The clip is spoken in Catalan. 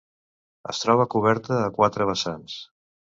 Es troba coberta a quatre vessants.